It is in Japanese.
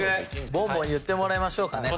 ボンボン言ってもらいましょうかね。